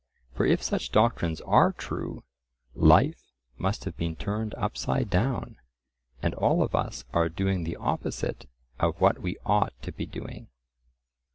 For if such doctrines are true, life must have been turned upside down, and all of us are doing the opposite of what we ought to be doing.